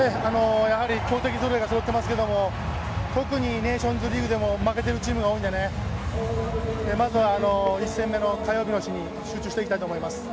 強敵ぞろいがそろってますけども特にネーションズリーグでも負けているチームが多いんでまずは１戦目の火曜日の日に集中していきたいと思います。